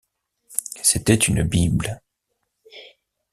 C’était une bible.